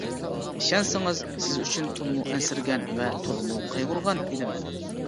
ئىشەنسىڭىز، سىز ئۈچۈن تولىمۇ ئەنسىرىگەن ۋە تولىمۇ قايغۇرغان ئىدىم.